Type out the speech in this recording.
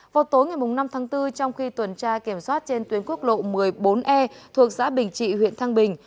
vào tối ngày năm tháng bốn trong khi tuần tra kiểm soát trên tuyến quốc lộ một mươi bốn e thuộc xã bình trị huyện thăng bình